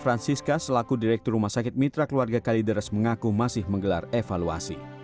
francisca selaku direktur rumah sakit mitra keluarga kalideres mengaku masih menggelar evaluasi